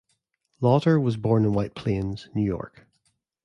Lauter was born in White Plains, New York.